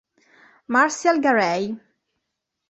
Marcial Garay